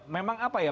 memang apa ya